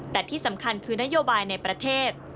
แต่ที่สำคัญคือนโยบายในประเทศ